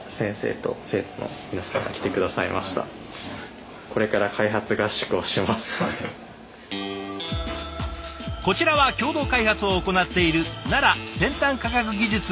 こちらは共同開発を行っている奈良先端科学技術大学院大学の皆さん。